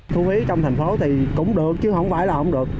thu phí trong thành phố thì cũng được chứ không phải là không được